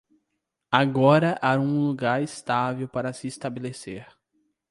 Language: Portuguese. Agora há um lugar estável para se estabelecer.